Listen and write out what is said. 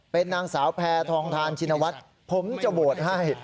เป็นนางสาวแพทองทานชินวัฒน์ผมจะโหวตให้